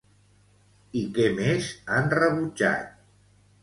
I què més han rebutjat?